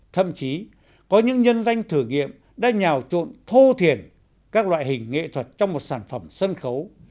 thậm chí có những nhân danh thử nghiệm đã nhào trộn thô thiền các loại hình nghệ thuật trong một sản phẩm sân khấu